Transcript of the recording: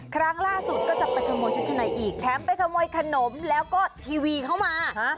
ครั้งล่าสุดก็จะไปขโมยชุดชั้นในอีกแถมไปขโมยขนมแล้วก็ทีวีเข้ามา